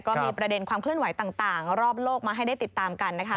ก็มีประเด็นความเคลื่อนไหวต่างรอบโลกมาให้ได้ติดตามกันนะคะ